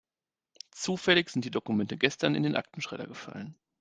Zufällig sind die Dokumente gestern in den Aktenschredder gefallen.